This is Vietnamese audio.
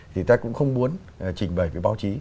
thì ta cũng không muốn trình bày với báo chí